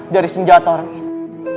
dari senjata orang ini